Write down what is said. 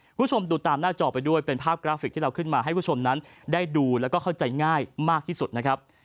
คุณผู้ชมดูตามหน้าจอไปด้วยเป็นภาพกราฟิกที่เราขึ้นมาให้ผู้ชมนั้นได้ดูแล้วก็เข้าใจง่ายมากที่สุดนะครับ